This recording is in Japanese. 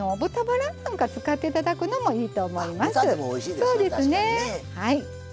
そうですね。